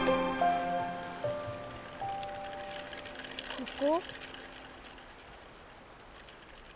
ここ？